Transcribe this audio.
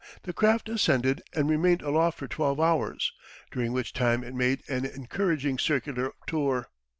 the craft ascended and remained aloft for 12 hours, during which time it made an encouraging circular tour.